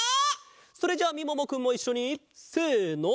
それじゃあみももくんもいっしょにせの。